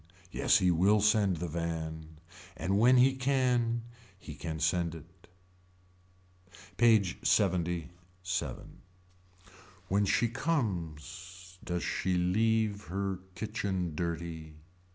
Yes he will send the van. And when he can. He can send it. PAGE LXXVII. When she comes does she leave her kitchen dirty.